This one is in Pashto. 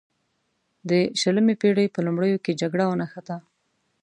د شلمې پیړۍ په لومړیو کې جګړه ونښته.